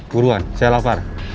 buruan saya lapar